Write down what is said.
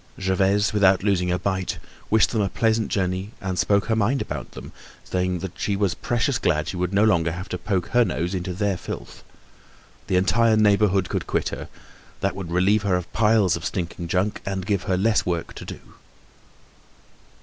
Gervaise, without losing a bite, wished them a pleasant journey, and spoke her mind about them, saying that she was precious glad she would no longer have to poke her nose into their filth. The entire neighborhood could quit her; that would relieve her of the piles of stinking junk and give her less work to do.